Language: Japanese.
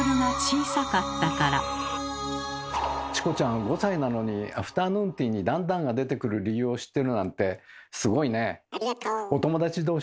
チコちゃん５歳なのにアフタヌーンティーに段々が出てくる理由を知っているなんてすごいね！